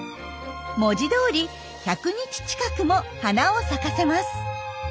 文字どおり１００日近くも花を咲かせます。